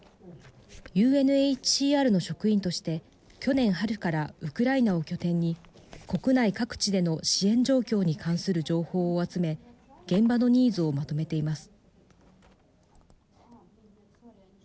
ＵＮＨＣＲの職員として去年春からウクライナを拠点に国内各地での支援状況に関する情報を集め現場のニーズをまとめています。